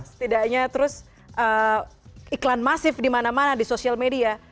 setidaknya terus iklan masif di mana mana di sosial media